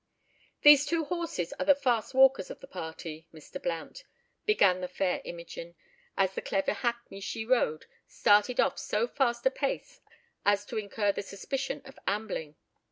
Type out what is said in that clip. "These two horses are the fast walkers of the party, Mr. Blount," began the fair Imogen, as the clever hackney she rode started off at so fast a pace as to incur the suspicion of ambling.